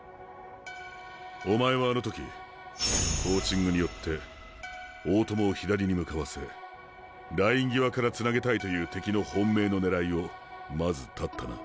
お前はあの時コーチングによって大友を左に向かわせライン際からつなげたいという敵の本命のねらいをまず断ったな。